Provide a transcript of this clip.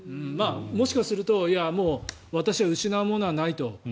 もしかすると、もう私は失うものはないと。